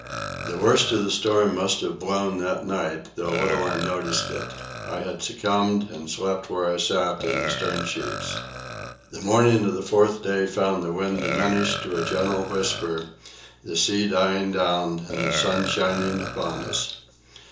The worst of the storm must have blown that night, though little I noticed it. I had succumbed and slept where I sat in the stern sheets. The morning of the fourth day found the wind diminished to a gentle whisper, the sea dying down and the sun shining upon us.